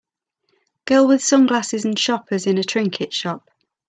Girl with sunglasses and shoppers in a trinket shop.